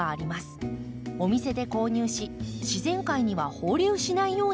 お店で購入し自然界には放流しないようにしましょう。